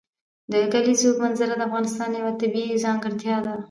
د کلیزو منظره د افغانستان یوه طبیعي ځانګړتیا ده.